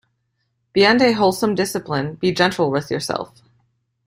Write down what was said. Beyond a wholesome discipline, be gentle with yourself.